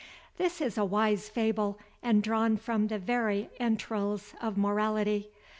—This is a wise fable, and drawn from the very entrails of morality.